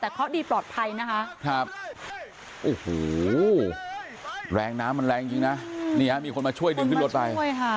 แต่เขาดีปลอดภัยนะฮะแรงน้ำมันแรงจริงนะมีคนมาช่วยดึงรถไป